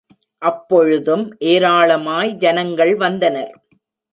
அப்பொழுதும் ஏராளமாய் ஜனங்கள் வந்தனர்.